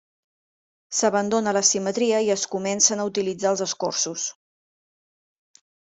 S’abandona la simetria i es comencen a utilitzar els escorços.